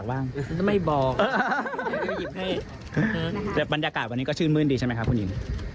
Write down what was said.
ก็ไม่ได้อะไรพิเศษครับก็เป็นเมนูของทั้งร้านนี้